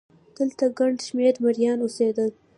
دلته ګڼ شمېر مریان اوسېدل